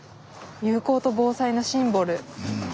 友好と防災のシンボル。